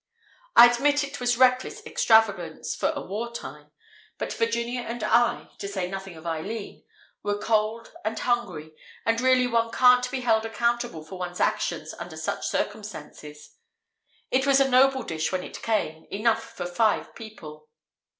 I admit it was reckless extravagance for war time, but Virginia and I, to say nothing of Eileen, were cold and hungry, and really one can't be held accountable for one's actions under such circumstances. It was a noble dish when it came, enough for five people.